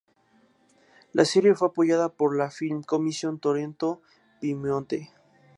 La serie fue apoyada por la Film Commission Torino Piemonte.